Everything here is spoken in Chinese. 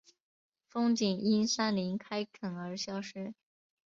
风景因山林开垦而消失